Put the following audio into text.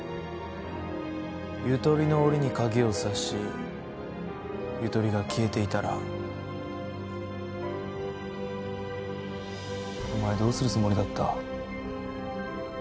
ゆとりの檻に鍵を挿しゆとりが消えていたらお前どうするつもりだった？